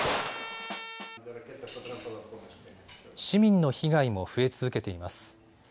市民の被害も増え続けています。